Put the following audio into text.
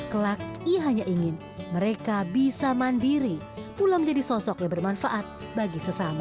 kelak ia hanya ingin mereka bisa mandiri pula menjadi sosok yang bermanfaat bagi sesama